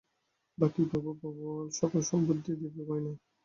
বাকী প্রভু সকল বুদ্ধি দিবে ভয় নাই।